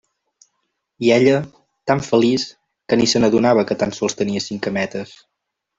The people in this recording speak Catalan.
I ella, tan feliç, que ni se n'adonava, que tan sols tenia cinc cametes.